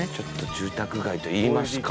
住宅街といいますか。